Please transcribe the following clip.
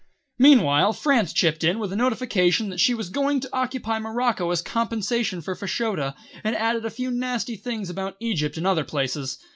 "Meanwhile France chipped in with a notification that she was going to occupy Morocco as a compensation for Fashoda, and added a few nasty things about Egypt and other places.